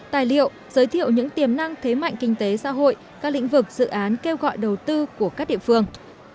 tài liệu giới thiệu những tiềm năng thế mạnh kinh tế xã hội các lĩnh vực dự án kêu gọi đầu tư của các địa phương